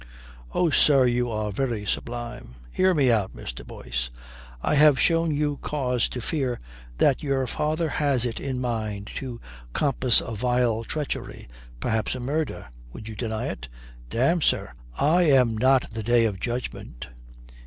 "Oh, sir, you are very sublime." "Hear me out, Mr. Boyce. I have shown you cause to fear that your father has it in mind to compass a vile treachery, perhaps a murder. Would you deny it?" "Damme, sir, I am not the day of judgment."